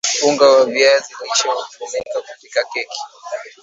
unga wa viazi lishe hutumika kupikia keki